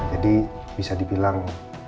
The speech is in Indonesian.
jadi bisa dibilang